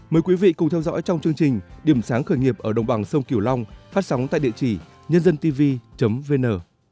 mời quý vị cùng theo dõi trong chương trình điểm sáng khởi nghiệp ở đồng bằng sông kiểu long phát sóng tại địa chỉ nhândântv vn